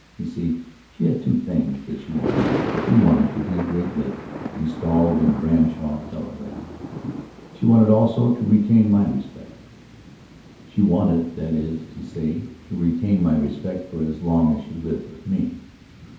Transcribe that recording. You see, she had two things that she wanted. She wanted to be a great lady, installed in Branshaw Teleragh. She wanted also to retain my respect. She wanted, that is to say, to retain my respect for as long as she lived with me.